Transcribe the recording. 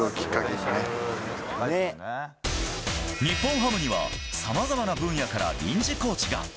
日本ハムにはさまざまな分野から臨時コーチが。